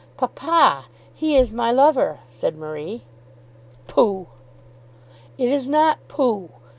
"Papa, he is my lover," said Marie. "Pooh!" "It is not pooh.